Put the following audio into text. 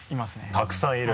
たくさんいる？